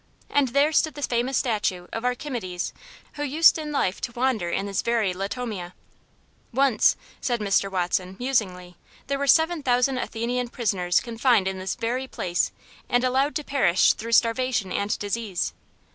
And there stood the famous statue of Archimedes, who used in life to wander in this very latomia. "Once," said Mr. Watson, musingly, "there were seven thousand Athenian prisoners confined in this very place, and allowed to perish through starvation and disease.